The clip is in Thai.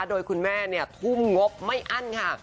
โดยคุณแม่ทุ่มงบไม่อั้นค่ะ